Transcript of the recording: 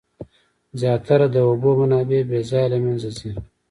زیاتره د اوبو منابع بې ځایه له منځه ځي.